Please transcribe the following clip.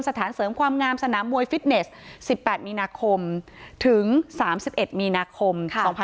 สถานเสริมความงามสนามมวยฟิตเนส๑๘มีนาคมถึง๓๑มีนาคม๒๕๖๒